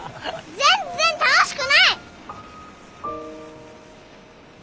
全然楽しくない！